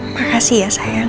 makasih ya sayang